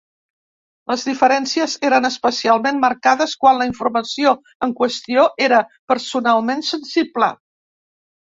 Les diferències eren especialment marcades quan la informació en qüestió era personalment sensible.